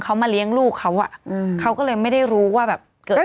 เขามาเลี้ยงลูกเขาเขาก็เลยไม่ได้รู้ว่าเกิดอะไรแกนขึ้น